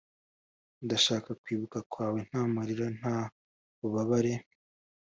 ndashaka kwibuka kwawe - nta marira, nta bubabare,